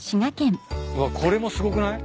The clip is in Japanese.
うわこれもすごくない？